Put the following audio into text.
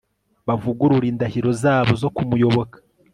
bavugurure indahiro zabo zo kumuyoboka